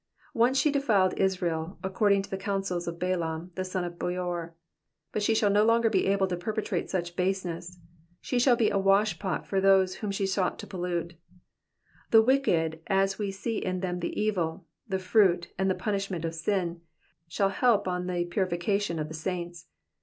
Once she defiled Israel, according to the counsel of Balaam, the son of Beor ; but she shall be no longer able to perpetrate such baseness ; she shall be a washpot for those whom she sought to pollute. The wicked as we see in them the evil, the fruit, and the punishment of sin, shall help on the purification of the saints.